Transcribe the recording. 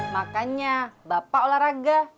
makanya bapak olahraga